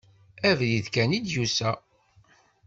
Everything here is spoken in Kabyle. Abrid kan i d-yusa.